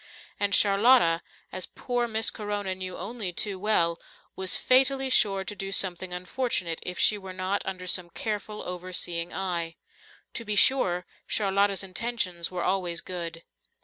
And Charlotta, as poor Miss Corona knew only too well, was fatally sure to do something unfortunate if she were not under some careful, overseeing eye. To be sure, Charlotta's intentions were always good.